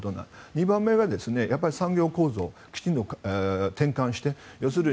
２番目は産業構造をきちんと転換する。